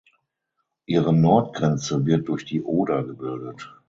Ihre Nordgrenze wird durch die Oder gebildet.